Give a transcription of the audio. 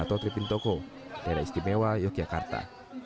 dato tri pintoko dera istimewa yogyakarta